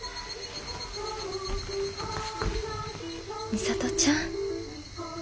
美里ちゃん。